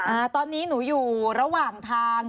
อ่าตอนนี้หนูอยู่ระหว่างทาง